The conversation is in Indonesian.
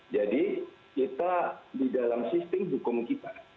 jadi kita di dalam sistem hukum kita